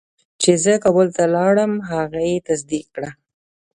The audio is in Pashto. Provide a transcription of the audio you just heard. چې زه کابل ته لاړم هغه یې تصدیق کړه.